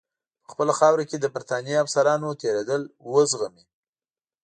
په خپله خاوره کې د برټانیې افسرانو تېرېدل وزغمي.